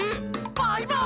バイバーイ！